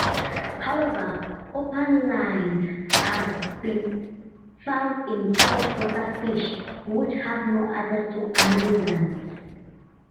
However, opalines have been found in saltwater fish which have no access to anurans.